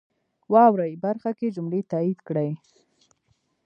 واورئ برخه کې جملې تایید کړئ.